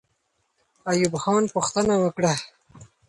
ایوب خان پوښتنه وکړه.